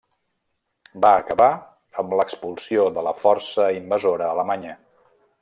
Va acabar amb l'expulsió de la força invasora alemanya.